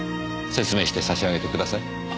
説明して差し上げてください。